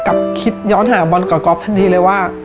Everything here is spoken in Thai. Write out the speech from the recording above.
คิดย้อนหาบอลกับก๊อฟทันทีเลยว่า